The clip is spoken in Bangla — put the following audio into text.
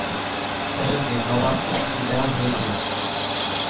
শাসকদের 'নবাব' উপাধি দেওয়া হয়েছিল।